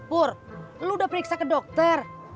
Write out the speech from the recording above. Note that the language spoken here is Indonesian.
pur lu udah periksa ke dokter